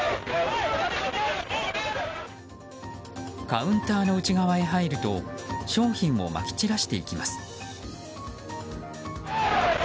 カウンターの内側へ入ると商品をまき散らしていきます。